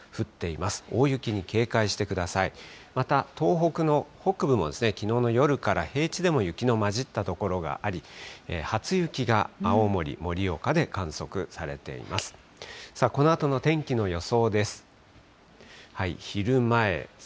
また東北の北部も、きのうの夜から、平地でも雪の交じった所があり、初雪が青森、盛岡で観測されています。